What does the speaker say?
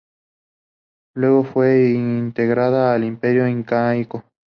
Luego fue integrada al imperio incaico.